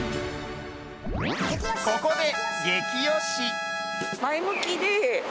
［ここで］